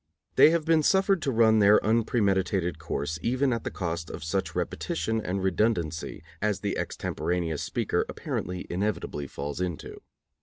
They have been suffered to run their unpremeditated course even at the cost of such repetition and redundancy as the extemporaneous speaker apparently inevitably falls into.